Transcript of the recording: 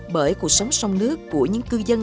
bởi cuộc sống sông nước của những cư dân